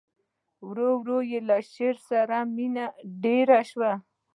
ورو ورو یې له شعر سره مینه ډېره شوه